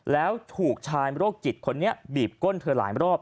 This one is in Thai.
แล้วถูกชายโรคจิตคนนี้บีบก้นเธอหลายรอบ